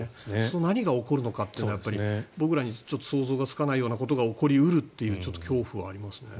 何が起こるのかっていうのは僕らに想像がつかないようなことが起こり得るっていうちょっと恐怖はありますね。